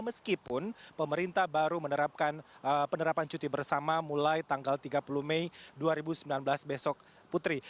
meskipun pemerintah baru menerapkan penerapan cuti bersama mulai tanggal tiga puluh mei dua ribu sembilan belas besok putri